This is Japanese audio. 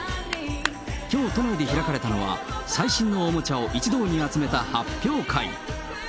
きょう、都内で開かれたのは最新のおもちゃを一堂に集めた発表会。